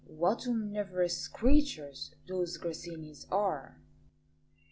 "What omnivorous creatures those Grassinis are!"